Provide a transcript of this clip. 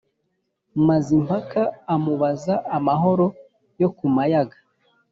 mazimpaka amubaza amahoro yo ku mayaga